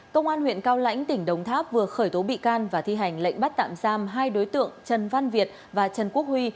công an huyện cao lãnh tỉnh đồng tháp vừa khởi tố bị can và thi hành lệnh bắt tạm giam hai đối tượng trần văn việt và trần quốc huy